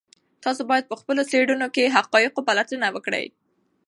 تاسو باید په خپلو څېړنو کې د حقایقو پلټنه وکړئ.